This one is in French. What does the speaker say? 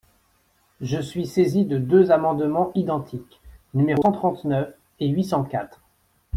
Je suis saisi de deux amendements identiques, numéros cent trente-neuf et huit cent quatre.